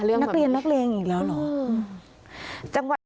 เรื่องนักเรียนนักเรียงอีกแล้วหรอ